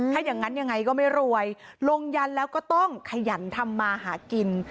ถ้าอย่างนั้นยังไงก็ไม่รวยลงยันแล้วก็ต้องขยันทำมาหากิน